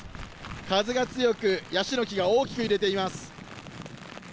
風が強く、ヤシの木が大きく揺れています。